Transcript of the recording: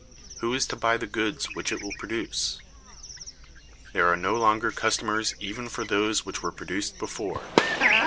Who is to buy the goods which it will produce? There are no longer customers even for those which were produced before.